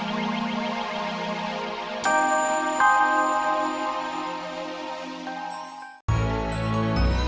terima kasih bu